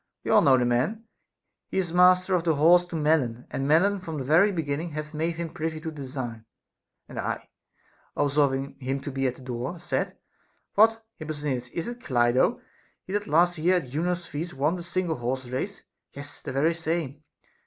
You all know the man, he is master of the horse to Melon, and Melon from the very beginning hath made him privy to the design. And I, observing him to be at the door, said : What, Hipposthenides, is it Clido, he that last year at Juno's feast won the single horse race ? Yes, the very same.